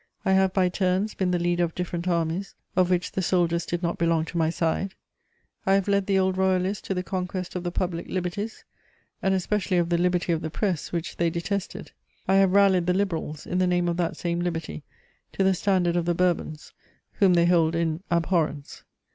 I have by turns been the leader of different armies of which the soldiers did not belong to my side: I have led the Old Royalists to the conquest of the public liberties, and especially of the liberty of the press, which they detested; I have rallied the Liberals, in the name of that same liberty, to the standard of the Bourbons, whom they hold in abhorrence.